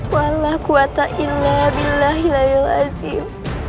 walau kuatailah billahi lalaihulazim